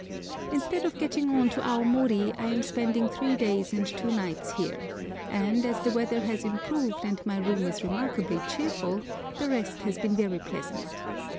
Instead of getting on to Aomori I am spending three days and two nights here, and, as the weather has improved and my room is remarkably cheerful, the rest has been very pleasant.